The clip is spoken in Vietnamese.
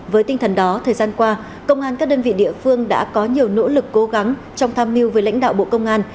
với tinh thần đó thời gian qua công an các đơn vị địa phương đã có nhiều nỗ lực cố gắng trong tham mưu với lãnh đạo bộ công an